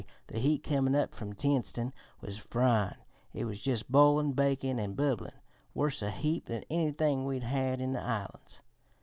the heat comin' up from Tientsin was fryin'! It was jus' boilin', bakin', an' bubblin' worse a heap than anythin' we'd had in the islands.